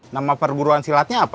nama perguruan silatnya apa